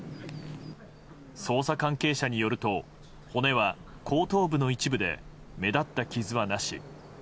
捜査関係者によると、骨は後頭部の一部で目立った傷はなし。